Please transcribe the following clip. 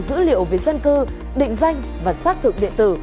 dữ liệu về dân cư định danh và xác thực điện tử